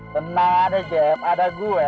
tenang ada jeff ada gue